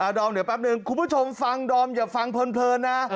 ดอมเดี๋ยวแป๊บนึงคุณผู้ชมฟังดอมอย่าฟังเพลินนะ